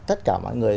tất cả mọi người